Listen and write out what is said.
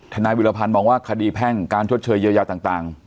ฐานายบิราพรบอกว่าคดีแฮ่งการชดเชยเยอะยาวต่าง